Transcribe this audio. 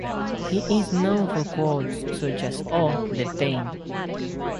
He is known for quotes such as Oh, the pain!